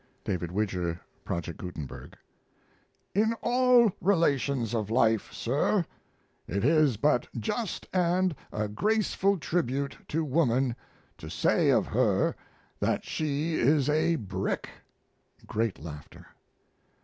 D.W.] In all relations of life, sir, it is but just and a graceful tribute to woman to say of her that she is a brick. [Great laughter.